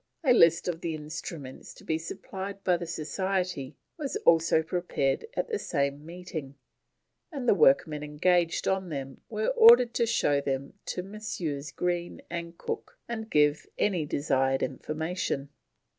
A list of the instruments to be supplied by the Society was also prepared at the same meeting, and the workmen engaged on them were ordered to show them to Messrs. Green and Cook, and give any desired information.